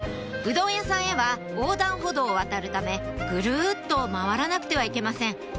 うどん屋さんへは横断歩道を渡るためぐるっと回らなくてはいけません